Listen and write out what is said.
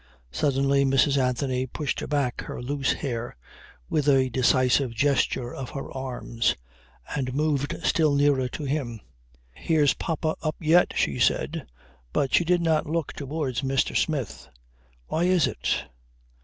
Suddenly Mrs. Anthony pushed back her loose hair with a decisive gesture of her arms and moved still nearer to him. "Here's papa up yet," she said, but she did not look towards Mr. Smith. "Why is it?